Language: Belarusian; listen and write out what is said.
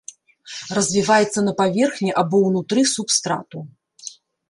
Развіваецца на паверхні або ўнутры субстрату.